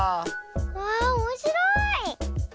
わあおもしろい！